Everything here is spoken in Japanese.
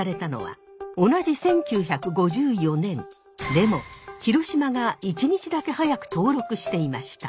でも広島が１日だけ早く登録していました。